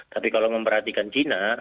tapi kalau memperhatikan china